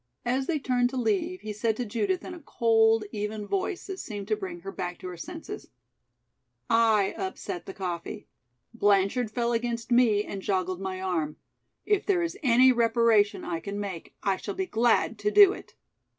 As they turned to leave, he said to Judith in a cold, even voice that seemed to bring her back to her senses: "I upset the coffee. Blanchard fell against me and joggled my arm. If there is any reparation I can make, I shall be glad to do it."